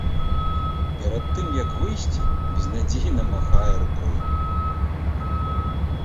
Перад тым як выйсці, безнадзейна махае рукой.